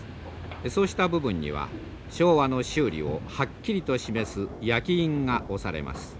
そうした部分には昭和の修理をはっきりと示す焼き印が押されます。